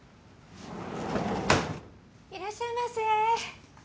いらっしゃいませ。